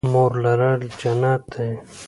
مور لرل جنت دی